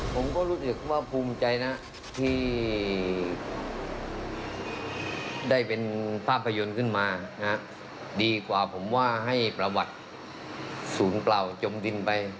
ผมก็รู้สึกว่าภูมิใจนะที่ได้เป็นภาพยนตร์ขึ้นมาดีกว่าผมว่าให้ประวัติศูนย์เปล่าจมดินไป